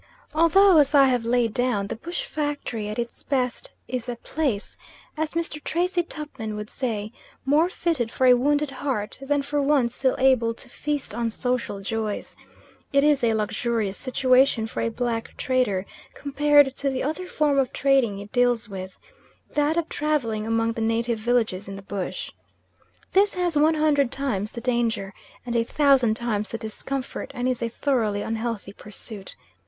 Although, as I have laid down, the bush factory at its best is a place, as Mr. Tracey Tupman would say, more fitted for a wounded heart than for one still able to feast on social joys, it is a luxurious situation for a black trader compared to the other form of trading he deals with that of travelling among the native villages in the bush. This has one hundred times the danger, and a thousand times the discomfort, and is a thoroughly unhealthy pursuit.